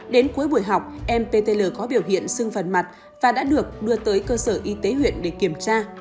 đến cuối buổi học em ptl có biểu hiện sưng phần mặt và đã được đưa tới cơ sở y tế huyện để kiểm tra